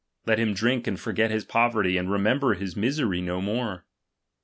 Let him drink and forget his poverty, and remember his misery no more.